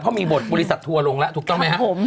เขามีบทบริษัททัวร์ลงแล้วถูกต้องไหมครับ